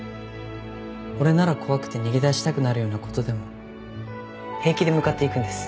俺なら怖くて逃げ出したくなるようなことでも平気で向かっていくんです。